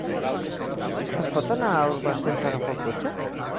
Es pot anar a Orba sense agafar el cotxe?